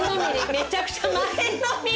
めちゃくちゃ前のめり。